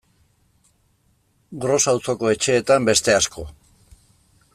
Gros auzoko etxeetan beste asko.